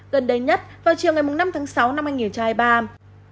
gần đây nhất vào chiều ngày năm tháng sáu năm hai nghìn hai mươi ba